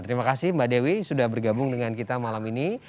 terima kasih mbak dewi sudah bergabung dengan kita malam ini